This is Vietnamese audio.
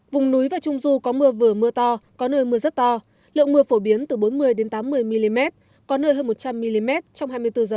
vùng núi và trung du có mưa vừa mưa to có nơi mưa rất to lượng mưa phổ biến từ bốn mươi tám mươi mm có nơi hơn một trăm linh mm trong hai mươi bốn h